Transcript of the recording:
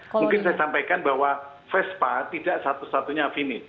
saya akan sampaikan bahwa vespa tidak satu satunya afini